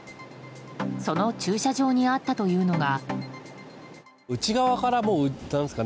その駐車場にあったというのが。